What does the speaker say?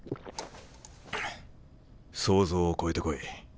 想像を超えてこい。